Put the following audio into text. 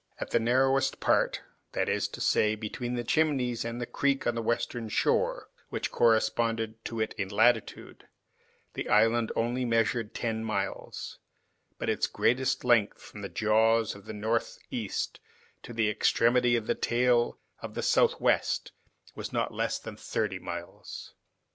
At the narrowest part, that is to say between the Chimneys and the creek on the western shore, which corresponded to it in latitude, the island only measured ten miles; but its greatest length, from the jaws at the northeast to the extremity of the tail of the southwest, was not less than thirty miles.